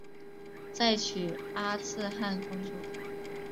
再娶阿剌罕公主。